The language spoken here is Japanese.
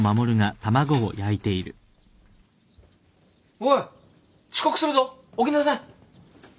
おい遅刻するぞ起きなさい。